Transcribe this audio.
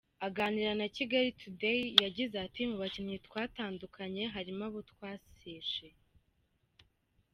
Aganira na Kigali today yagize ati” mu bakinnyi twatandukanye harimo abo twaseshe .